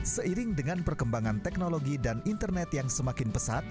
seiring dengan perkembangan teknologi dan internet yang semakin pesat